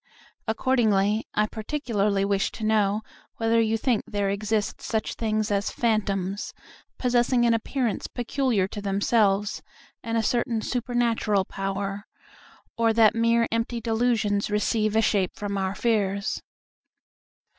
Accordingly, I particularly wish to know whether you think there exist such things as phantoms, possessing an appearance peculiar to themselves, and a certain supernatural power, or that mere empty delusions receive a shape from our fears.